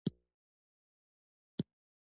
خپله پوهه له نورو سره شریکه کړئ.